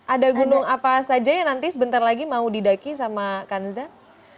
ada gunung apa saja yang nanti sebentar lagi mau didaki sama kanza